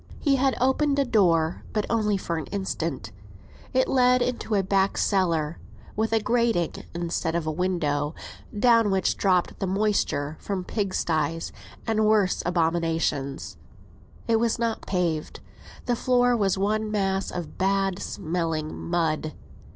He had opened a door, but only for an instant; it led into a back cellar, with a grating instead of a window, down which dropped the moisture from pigsties, and worse abominations. It was not paved; the floor was one mass of bad smelling mud.